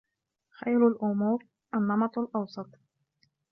خَيْرُ الْأُمُورِ النَّمَطُ الْأَوْسَطُ